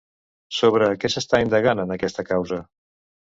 Sobre què s'està indagant en aquesta causa?